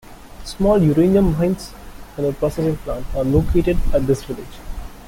Small uranium mines and a processing plant are located at this village.